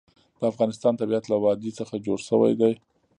د افغانستان طبیعت له وادي څخه جوړ شوی دی.